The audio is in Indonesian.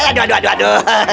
aduh aduh aduh